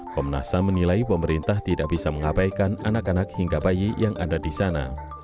komnas ham menilai pemerintah tidak bisa mengabaikan anak anak hingga bayi yang ada di sana